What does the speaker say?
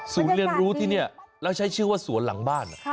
เรียนรู้ที่นี่แล้วใช้ชื่อว่าสวนหลังบ้าน